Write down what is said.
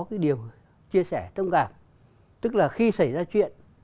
cái điều chia sẻ tâm cảm tức là khi xảy ra chuyện